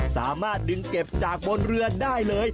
สามารถดึงเก็บจากบนเรือได้เลย